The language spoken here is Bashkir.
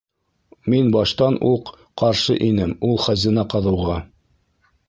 Мин баштан уҡ ҡаршы инем ул хазина ҡаҙыуға.